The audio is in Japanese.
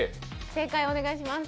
正解お願いします。